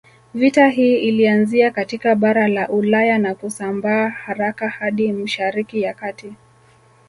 Vita hii ilianzia katika bara la Ulaya na kusambaa haraka hadi Mshariki ya kati